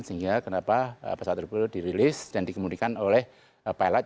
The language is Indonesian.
sehingga kenapa pesawat tersebut dirilis dan dikemudikan oleh pilot